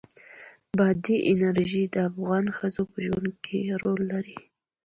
بادي انرژي د افغان ښځو په ژوند کې رول لري.